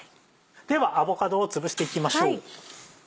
ではアボカドをつぶしていきましょう。